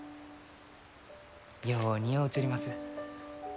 よう似合うちょります。